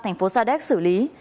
thành phố sa đéc xử lý